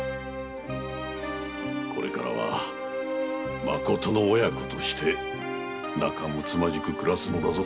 これからはまことの親子として仲睦まじく暮らすのだぞ。